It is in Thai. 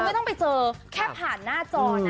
ไม่ต้องไปเจอแค่ผ่านหน้าจอนะ